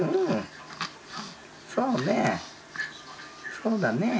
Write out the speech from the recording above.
そうだねえ。